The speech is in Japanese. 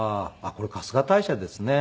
これ春日大社ですね。